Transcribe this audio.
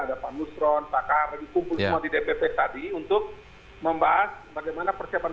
ada pak nusron pakar lagi kumpul semua di dpp tadi untuk membahas bagaimana persiapan